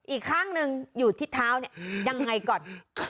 อีกข้างหนึ่งอยู่ที่เท้าเนี่ยยังไงก่อน